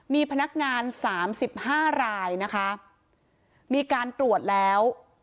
มีพนักงานสามสิบห้ารายนะคะมีการตรวจแล้ว